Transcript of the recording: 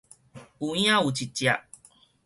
有影有一隻